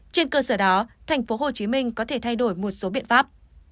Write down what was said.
trên cơ sở đó tp hcm có thể thay đổi một số biện pháp